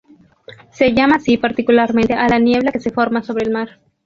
Se llama así particularmente a la niebla que se forma sobre el mar.